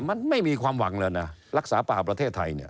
มันไม่มีความหวังแล้วนะรักษาป่าประเทศไทยเนี่ย